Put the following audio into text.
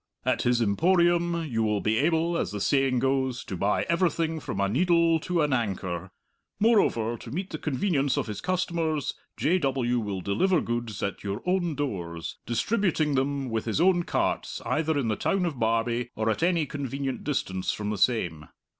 At his Emporium you will be able, as the saying goes, to buy everything from a needle to an anchor. Moreover, to meet the convenience of his customers, J. W. will deliver goods at your own doors, distributing them with his own carts either in the town of Barbie or at any convenient distance from the same.